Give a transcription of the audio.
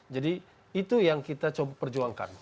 jadi itu yang kita perjuangkan